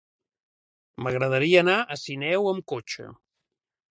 M'agradaria anar a Sineu amb cotxe.